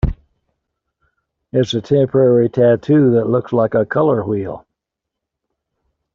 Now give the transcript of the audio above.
It's a temporary tattoo that looks like... a color wheel?